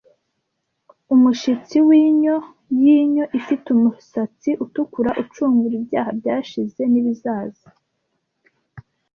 Umushitsi winyo yinyo ifite umusatsi utukura ucungura ibyaha byashize nibizaza ,